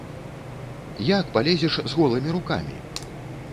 Як палезеш з голымі рукамі?